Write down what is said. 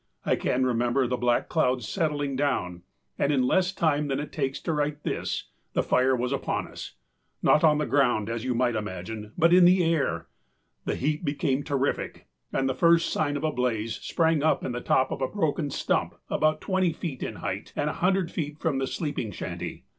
I can remember the black cloud settling down and in less time than it takes to write this, the fire was upon us not on the ground as you might imagine, but in the air. The heat became terrific and the first sign of a blaze sprang up in the top of a broken stump about twenty feet in height and a hundred feet from the sleeping shanty.